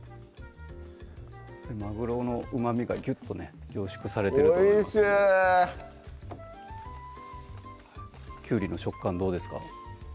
まぐろのうまみがぎゅっとね凝縮されてるとおいしいきゅうりの食感どうですか？